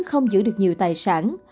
không giữ được nhiều tài sản